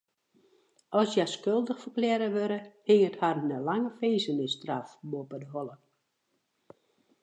As hja skuldich ferklearre wurde, hinget harren in lange finzenisstraf boppe de holle.